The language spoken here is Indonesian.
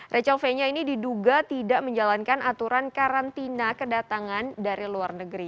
rachel fenya ini diduga tidak menjalankan aturan karantina kedatangan dari luar negeri